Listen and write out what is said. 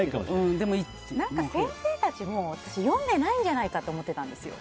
でも先生たちも読んでないんじゃないかと思ってたんですよ。